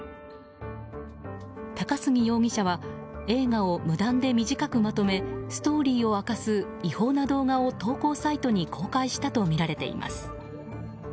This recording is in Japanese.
高杉容疑者は映画を無断で短くまとめストーリーを明かす違法な動画を投稿サイトに公開したとみられています。